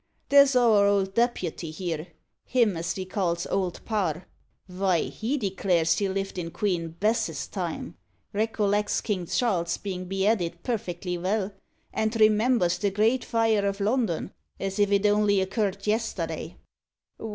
There's our old deputy here him as ve calls Old Parr vy, he declares he lived in Queen Bess's time, recollects King Charles bein' beheaded perfectly vell, and remembers the Great Fire o' London, as if it only occurred yesterday."